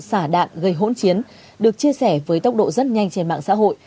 xả đạn gây hỗn chiến được chia sẻ với tốc độ rất nhanh trên mạng xã hội